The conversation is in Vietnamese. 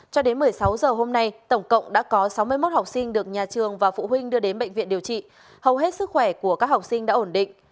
cho đến một mươi sáu giờ hôm nay tổng cộng đã có sáu mươi một học sinh được nhà trường và phụ huynh đưa đến bệnh viện điều trị hầu hết sức khỏe của các học sinh đã ổn định